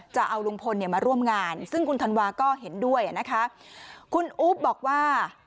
จะเอาลุงพลเนี่ยมาร่วมงานซึ่งคุณธันวาก็เห็นด้วยอ่ะนะคะคุณอุ๊บบอกว่า